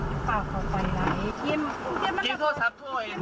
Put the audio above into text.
สวัสดีครับทุกคน